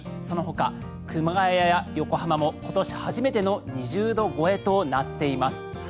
そのほか熊谷や横浜も今年初めての２０度超えとなっています。